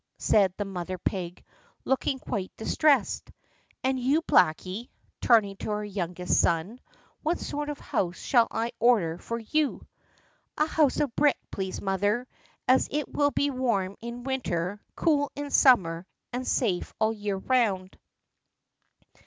said the mother pig, looking quite distressed. "And you, Blacky," turning to her youngest son, "what sort of a house shall I order for you?" "A house of brick, please, mother, as it will be warm in winter, cool in summer, and safe all the year round."